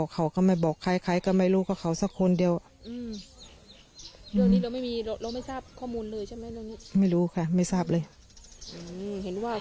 เขาก็ไม่บอกใครก็ไม่รู้กับเขาสักคนเดียวอืมเรื่องนี้เราไม่มี